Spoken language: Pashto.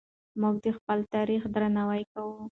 موږ د خپل تاریخ درناوی کوو.